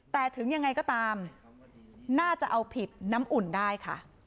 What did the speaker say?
แต่ถึงยังไงก็ตามน่าจะเอาผิดน้ำอุ่นได้ค่ะ